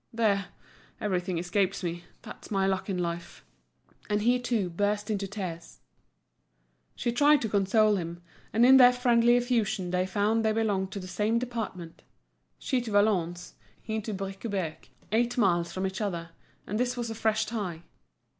There, everything escapes me, that's my luck in life." And he, too, burst into tears. She tried to console him, and in their friendly effusion they found they belonged to the same department—she to Valognes, he to Briquebec, eight miles from each other, and this was a fresh tie.